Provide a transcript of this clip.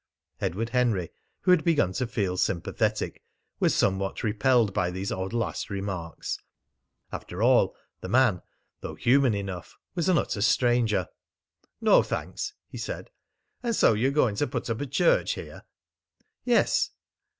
Edward Henry, who had begun to feel sympathetic, was somewhat repelled by these odd last remarks. After all the man, though human enough, was an utter stranger. "No, thanks," he said. "And so you're going to put up a church here?" "Yes."